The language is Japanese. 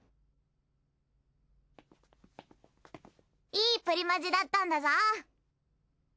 いいプリマジだったんだぞ！